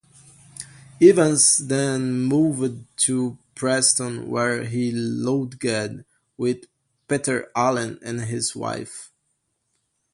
Evans then moved to Preston where he lodged with Peter Allen and his wife.